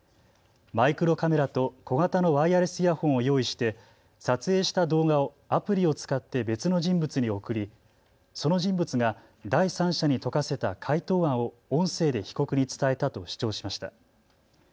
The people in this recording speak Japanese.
マイクロカメラと小型のワイヤレスイヤホンを用意して撮影した動画をアプリを使って別の人物に送りその人物が第三者に解かせた解答案を音声で被告に伝えたと主張しました。